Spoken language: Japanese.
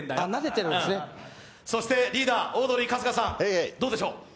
リーダー、オードリー春日さん、どうでしょう？